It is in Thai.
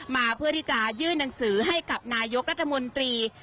เพื่อที่จะยื่นหนังสือให้กับนายกรัฐมนตรี